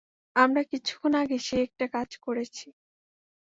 আমরা কিছুক্ষণ আগে সেই একটা কাজ করেছি।